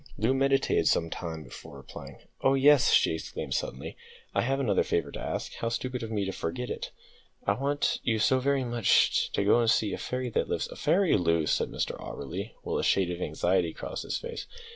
Loo meditated some time before replying. "Oh, yes," she exclaimed suddenly, "I have another favour to ask. How stupid of me to forget it. I want you very much to go and see a fairy that lives " "A fairy, Loo!" said Mr Auberly, while a shade of anxiety crossed his face.